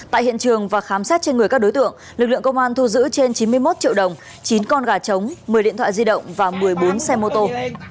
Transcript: tại hiện trường và khám xét trên người các đối tượng lực lượng công an thu giữ trên chín mươi một triệu đồng chín con gà trống một mươi điện thoại di động và một mươi bốn xe mô tô